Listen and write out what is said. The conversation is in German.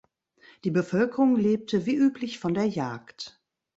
Die Bevölkerung lebte wie üblich von der Jagd.